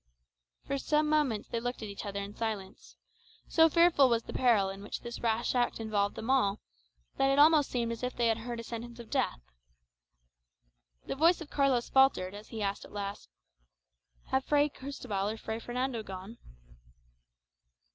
For some moments they looked at each other in silence. So fearful was the peril in which this rash act involved them all, that it almost seemed as if they had heard a sentence of death. The voice of Carlos faltered as he asked at last, "Have Fray Cristobal or Fray Fernando gone?"